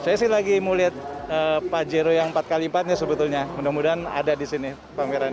saya sih lagi mau lihat pajero yang empat x empat nya sebetulnya mudah mudahan ada di sini pamerannya